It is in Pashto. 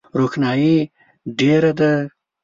روښنایي ډېره ده .